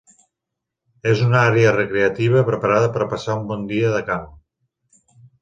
És una àrea recreativa preparada per a passar un bon dia de camp.